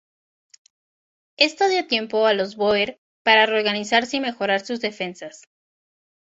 Esto dio tiempo a los bóer para reorganizarse y mejorar sus defensas.